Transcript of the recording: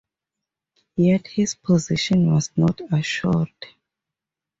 Yet his position was not assured.